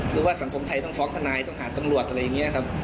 ว่าสังคมไทยต้องฟ้องทนายต้องหาตำรวจอะไรอย่างนี้ครับ